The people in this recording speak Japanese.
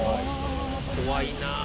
怖いなあ。